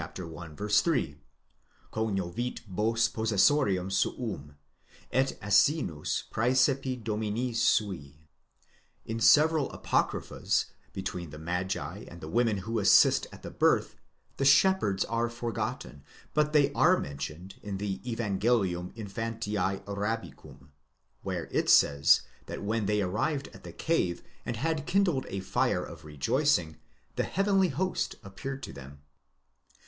3: cognovit bos possessorem suum, et asinus praesepe domini sui. In several apocryphas, between the Magi and the women who assist at the birth, the shepherds are forgotten; but they are mentioned in the Lvangelium infantiae arabicum,® where it says, that when they arrived at the cave, and had kindled a fire of rejoicing, the heavenly host appeared to them.